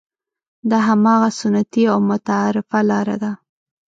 دا هماغه سنتي او متعارفه لاره ده.